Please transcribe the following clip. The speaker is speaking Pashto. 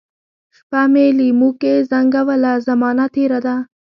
شپه مي لېموکې زنګوله ، زمانه تیره ده